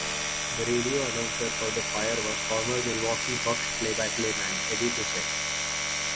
The radio announcer for the Fire was former Milwaukee Bucks play-by-play man, Eddie Ducette.